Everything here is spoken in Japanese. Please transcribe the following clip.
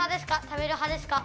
食べるはですか？